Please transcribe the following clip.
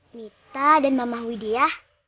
mita dan mama widya